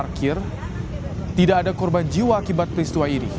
pada saat parkir tidak ada korban jiwa akibat peristua ini